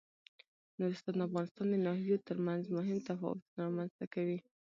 نورستان د افغانستان د ناحیو ترمنځ مهم تفاوتونه رامنځ ته کوي.